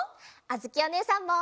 あづきおねえさんも！